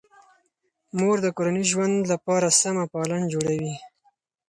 مور د کورني ژوند لپاره سمه پالن جوړوي.